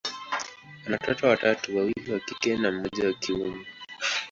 ana watoto watatu, wawili wa kike na mmoja wa kiume.